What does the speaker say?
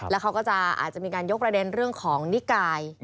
แล้วเขาก็จะอาจจะมีการยกประเด็นเรื่องของนิกาย